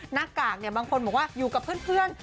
หน้ากากบางคนบอกว่าอยู่กับเพื่อน